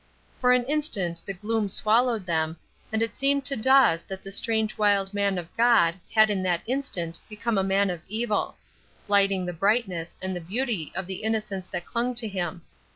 For an instant the gloom swallowed them, and it seemed to Dawes that the strange wild man of God had in that instant become a man of Evil blighting the brightness and the beauty of the innocence that clung to him.